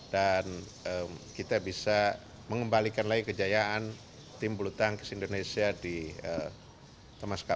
dan kita bisa mengembalikan lagi kejayaan tim bulu tangkis indonesia di thomas cup